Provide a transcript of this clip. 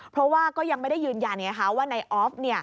เพราะว่าก็ยังไม่ได้ยืนยันว่านายออฟ